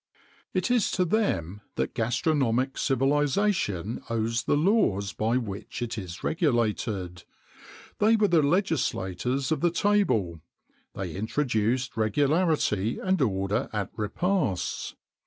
It is to them that gastronomic civilization owes the laws by which it is regulated; they were the legislators of the table: they introduced regularity and order at repasts.